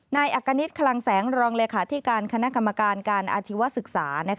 นายอักกณิตคลังแสงรองเลขาธิการคณะกรรมการการอาชีวศึกษา